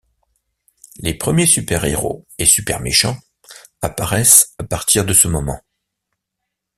Les premiers super-héros et super-méchants apparaissent à partir de ce moment.